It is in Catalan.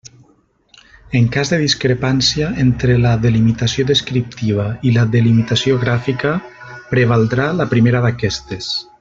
En cas de discrepància entre la delimitació descriptiva i la delimitació gràfica, prevaldrà la primera d'aquestes.